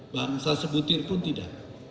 bangsa sebutir pun tidak